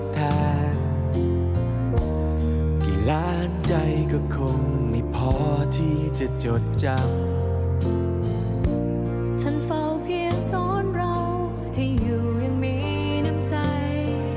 ท่านเฝ้าเพียงสอนเราให้อยู่อย่างมีน้ำใจ